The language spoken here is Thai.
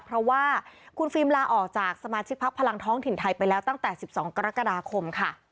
เพราะว่าคุณฟิล์มลาออกจากสมาชิกพักพลังท้องถิ่นไทยไปแล้วตั้งแต่๑๒กรกฎาคมค่ะ